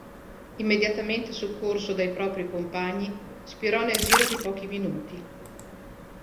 Immediatamente soccorso dai propri compagni, spirò nel giro di pochi minuti.